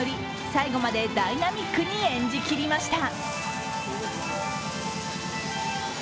最後までダイナミックに演じきりました。